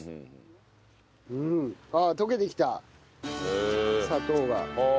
うん。ああ溶けてきた砂糖が。